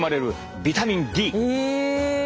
ビタミンＤ。